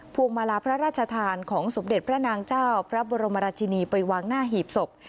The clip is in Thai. วงมาลาพระราชทานของสมเด็จพระนางเจ้าพระบรมราชินีไปวางหน้าหีบศพ